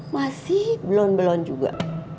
masih blon blon juga